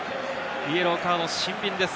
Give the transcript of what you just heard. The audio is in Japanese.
イエローカード、シンビンです。